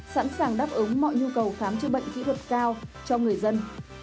sẵn sàng đáp ứng mọi nhu cầu khám chữa bệnh kỹ thuật cao cho người dân